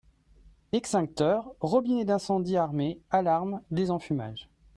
Extincteurs, Robinet d'Incendie Armé, Alarme, Désenfumage.